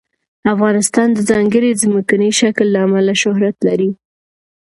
افغانستان د ځانګړي ځمکني شکل له امله شهرت لري.